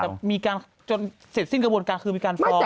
แต่มีการจนเสร็จสิ้นกระบวนการคือมีการฟ้อง